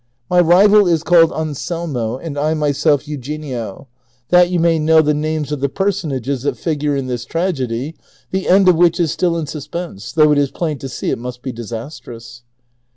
My rival is called Anselmo and I myself Eugenio — that you may know the names of the personages that figure in this traged}', the end of which is still in suspense, though it is plain to see it must be disastrous.